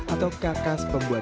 atau kakas pembuat